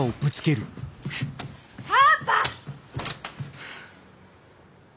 パパ！